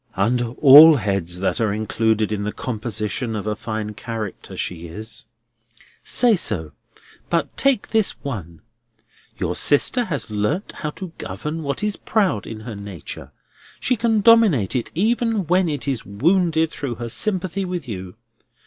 "Under all heads that are included in the composition of a fine character, she is." "Say so; but take this one. Your sister has learnt how to govern what is proud in her nature. She can dominate it even when it is wounded through her sympathy with you.